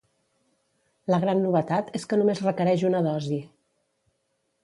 La gran novetat és que només requereix una dosi.